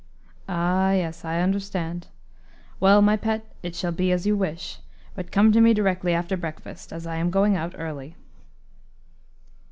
Ah, yes, I understand. Well, my pet, it shall be as you wish; but come to me directly after breakfast, as I am going out early."